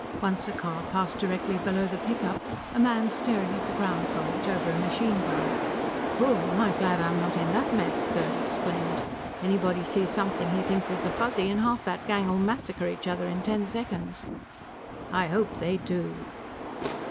Once a car passed directly below the pickup, a man staring at the ground from it over a machine gun. "Wooo! Am I glad I'm not in that mess!" Gerd exclaimed. "Anybody sees something he thinks is a Fuzzy and half that gang'll massacre each other in ten seconds." "I hope they do!"